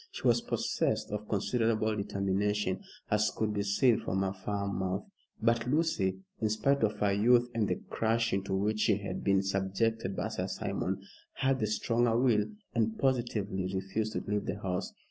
She was possessed of considerable determination, as could be seen from her firm mouth. But Lucy, in spite of her youth and the crushing to which she had been subjected by Sir Simon, had the stronger will, and positively refused to leave the house.